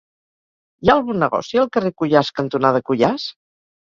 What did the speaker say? Hi ha algun negoci al carrer Cuyàs cantonada Cuyàs?